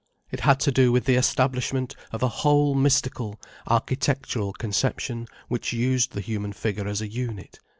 It had to do with the establishment of a whole mystical, architectural conception which used the human figure as a unit.